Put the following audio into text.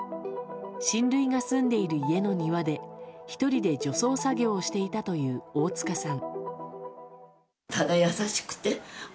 親類が住んでいる家の庭で１人で除草作業をしていたという大塚さん。